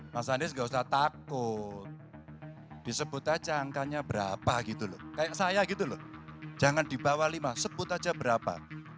mas anies gak usah takut disebut aja angkanya berapa gitu loh kayak saya gitu loh jangan di bawah lima sebut aja berapa